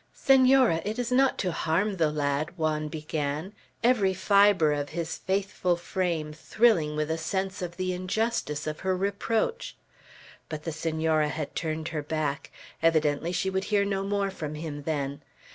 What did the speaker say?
"Senora, it is not to harm the lad," Juan began, every fibre of his faithful frame thrilling with a sense of the injustice of her reproach. But the Senora had turned her back. Evidently she would hear no more from him then.